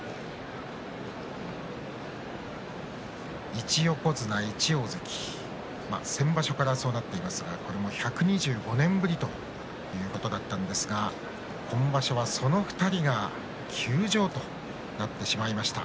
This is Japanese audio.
１横綱１大関先場所からそうなっていますがこれも１２５年ぶりということだったんですが今場所は、その２人が休場となってしまいました。